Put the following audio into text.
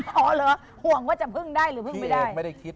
อ๋อเหรอห่วงว่าจะพึ่งได้หรือพึ่งไม่ได้